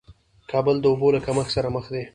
کابل د اوبو له کمښت سره مخ دې